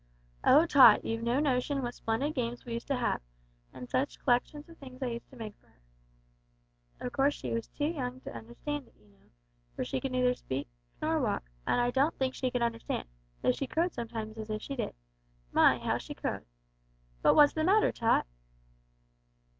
Oh, Tot, you've no notion what splendid games we used to have, an' such c'lections of things I used to make for 'er! Of course she was too young to understand it, you know, for she could neither walk nor speak, and I don't think could understand, though she crowed sometimes as if she did. My! how she crowed! But what's the matter, Tot?"